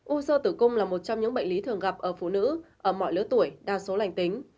u sơ tử cung là một trong những bệnh lý thường gặp ở phụ nữ ở mọi lứa tuổi đa số lành tính